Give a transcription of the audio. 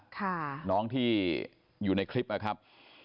ค่ะน้องที่อยู่ในคลิปนะครับ